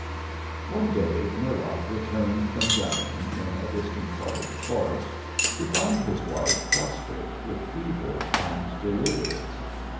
One day Murlock returned from gunning in a distant part of the forest to find his wife prostrate with fever, and delirious.